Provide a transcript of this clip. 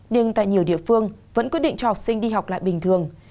nhưng tại nhiều địa phương vẫn quyết định cho học sinh đi học lại bình thường